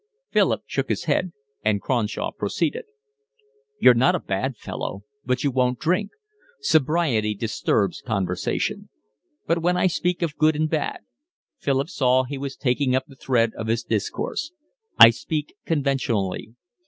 Philip shook his head, and Cronshaw proceeded: "You're not a bad fellow, but you won't drink. Sobriety disturbs conversation. But when I speak of good and bad…" Philip saw he was taking up the thread of his discourse, "I speak conventionally.